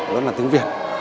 đấy là tiếng việt